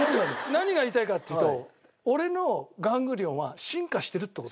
何が言いたいかっていうと俺のガングリオンは進化してるって事。